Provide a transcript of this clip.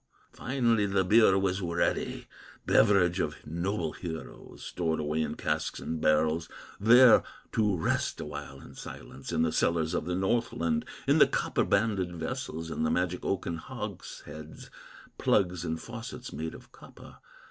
Finally the beer was ready, Beverage of noble heroes, Stored away in casks and barrels, There to rest awhile in silence, In the cellars of the Northland, In the copper banded vessels, In the magic oaken hogsheads, Plugs and faucets made of copper.